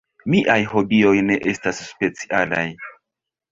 Miaj hobioj ne estas specialaj.